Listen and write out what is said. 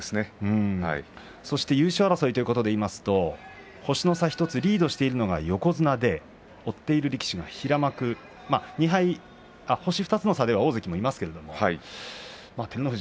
優勝争いでいいますと星の差１つリードしているのが横綱で追っている力士が平幕で２敗星２つの差では大関もいますけれど照ノ富士